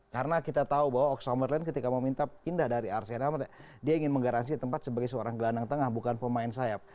karena kita tahu bahwa oxlade chamberlain ketika meminta pindah dari arsenal dia ingin menggaransi tempat sebagai seorang gelandang tengah bukan pemain sayap